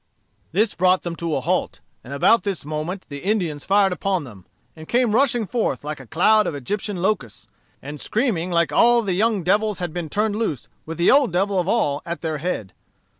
"This brought them to a halt; and about this moment the Indians fired upon them, and came rushing forth like a cloud of Egyptian locusts, and screaming like all the young devils had been turned loose with the old devil of all at their head.